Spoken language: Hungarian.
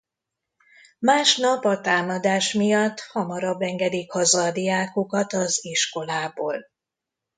Másnap a támadás miatt hamarabb engedik haza a diákokat az iskolából.